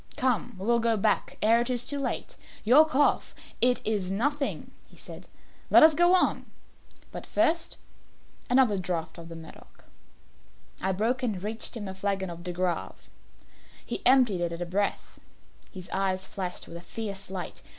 Come, we will go back ere it is too late. Your cough " "It is nothing," he said; "let us go on. But first, another draught of the Medoc." I broke and reached him a flagon of De Grave. He emptied it at a breath. His eyes flashed with a fierce light.